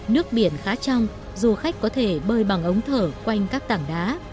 nước biển khá trong du khách có thể bơi bằng ống thở quanh các tảng đá